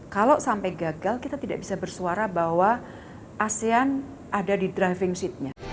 kalau sampai gagal kita tidak bisa bersuara bahwa asean ada di driving seatnya